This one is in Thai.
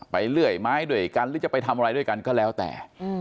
เลื่อยไม้ด้วยกันหรือจะไปทำอะไรด้วยกันก็แล้วแต่